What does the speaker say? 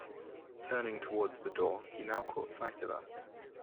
Turning towards the door, he now caught sight of us.